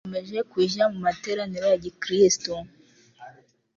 Nakomeje kujya mu materaniro ya gikristo,